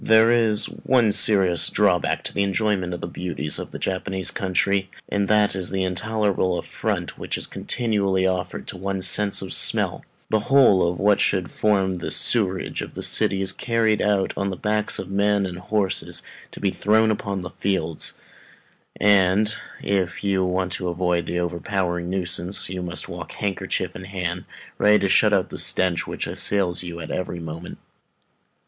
There is one serious drawback to the enjoyment of the beauties of the Japanese country, and that is the intolerable affront which is continually offered to one's sense of smell; the whole of what should form the sewerage of the city is carried out on the backs of men and horses, to be thrown upon the fields; and, if you would avoid the overpowering nuisance, you must walk handkerchief in hand, ready to shut out the stench which assails you at every moment.